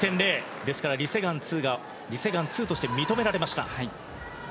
ですからリ・セグァン２がリ・セグァン２として認められました。